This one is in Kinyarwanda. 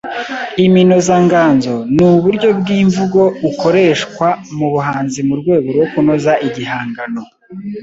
Iminozanganzo ni uburyo bw’imvugo ukoreshwa mu buhanzi mu rwego rwo kunoza igihangano